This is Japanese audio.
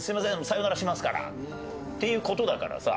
さよならしますから」っていう事だからさ。